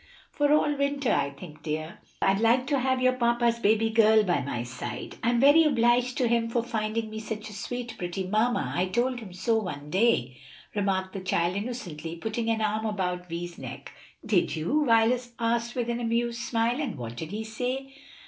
"For all winter, I think, dear. I like to have your papa's baby girl by my side." "I'm very much obliged to him for finding me such a sweet, pretty new mamma. I told him so one day," remarked the child innocently, putting an arm about Vi's neck. "Did you?" Violet asked with an amused smile; "and what did he say?"